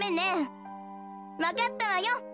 わかったわよ。